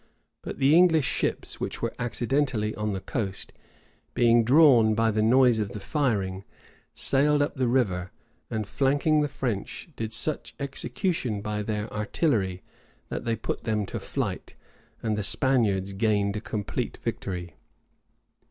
But the English ships, which were accidently on the coast, being drawn by the noise of the firing, sailed up the river, and, flanking the French, did such execution by their artillery that they put them to flight, and the Spaniards gained a complete victory.